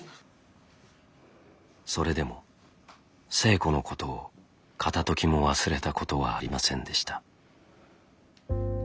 それでも星子のことを片ときも忘れたことはありませんでした。